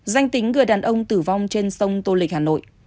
danh tính người đàn ông tử vong trên sông tô lịch hà nội